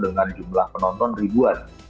dengan jumlah penonton ribuan